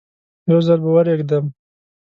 یو ځل به ورېږدم.